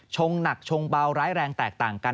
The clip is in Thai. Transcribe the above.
งหนักชงเบาร้ายแรงแตกต่างกัน